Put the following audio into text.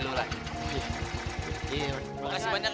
terima kasih banyak